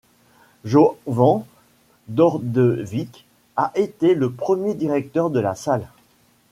Jovan Đorđević a été le premier directeur de la salle.